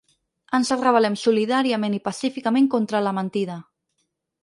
Ens rebel·lem solidàriament i pacíficament contra la mentida.